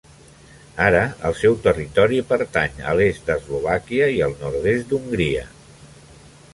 Ara el seu territori pertany a l'est d'Eslovàquia i el nord-est d'Hongria.